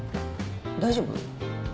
大丈夫？